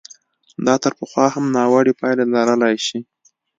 دا تر پخوا هم ناوړه پایلې لرلای شي.